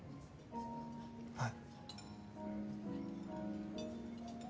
はい。